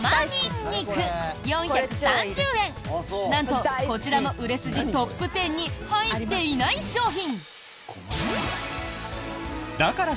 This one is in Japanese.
なんと、こちらも売れ筋トップ１０に入っていない商品。